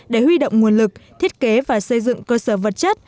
để huy động nguồn lực thiết kế và xây dựng cơ sở vật chất